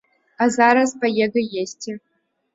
А зараз паеду есці.